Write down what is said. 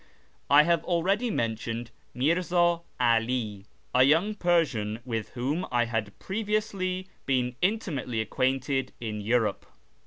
I have already mentioned Mirza 'Ali, a young Persian with whom I had previously been intimately ac quainted in Europe.